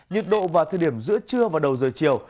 nhiệt độ vào thời điểm giữa trưa và đầu giờ chiều